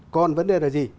còn vấn đề là gì